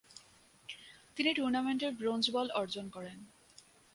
তিনি টুর্নামেন্টের "bronze ball" অর্জন করেন।